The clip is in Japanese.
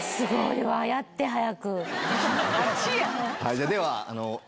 じゃあでは。